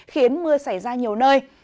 khiến mưa xảy ra nhiều nơi